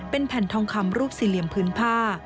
เป็นแผ่นทองคำรูปสี่เหลี่ยมพื้นผ้า